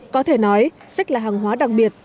có thể nói sách là hàng hóa đặc biệt